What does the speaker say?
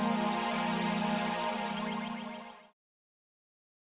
dia pernah hal apa